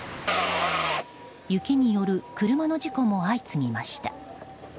雪による車の事故も相次ぎました。